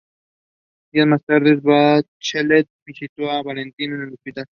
Días más tarde, Bachelet visitó a Valentina en el hospital.